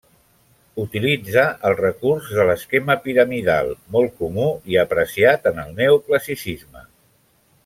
Utilitza el recurs de l'esquema piramidal, molt comú i apreciat en el neoclassicisme.